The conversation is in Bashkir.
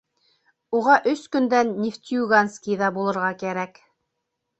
Уға өс көндән Нефтеюганскиҙа булырға кәрәк.